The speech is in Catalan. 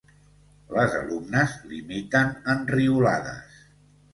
Les alumnes l'imiten enriolades.